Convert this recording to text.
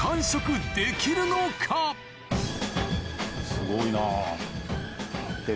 すごいな。